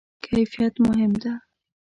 کیفیت مهم ده؟